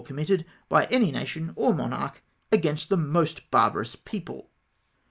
committed by any nation or monarcli against tlie most barbarous people.